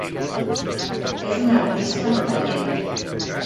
És una artista amb talent.